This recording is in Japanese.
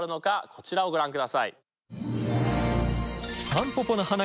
こちらをご覧ください。